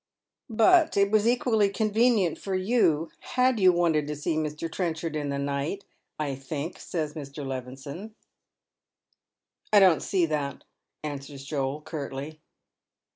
" But it was equally convenient for yon, had you wanted t<» Bee Mr. Trenchard in the night, I think," says Mr. Levison. " I don't see that," answers Joel, curtly.